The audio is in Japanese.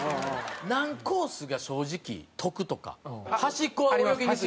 何コースが正直得とか端っこは泳ぎにくいとか。